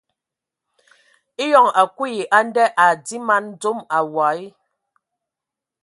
Eyɔŋ a kui ya a nda a dii man dzom awɔi.